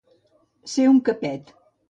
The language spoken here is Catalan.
Ser un capet.